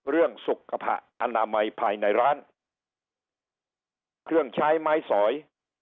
เรื่องสุขอนามัยภายในร้านเครื่องใช้ไม้สอย